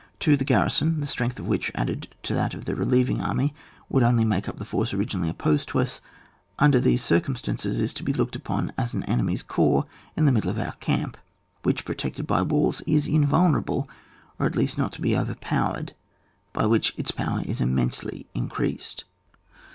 2. tChe garrison, the strength of which, added to that of the relieving army, would only make up the force originally opposed^ to us, under these circumstances is to be looked upon as an enemy's corps in the middle of our camp, which, pro tected by its walls, is infmlnerdble^ or at least not to be overpowered, by which its power is immensely increased.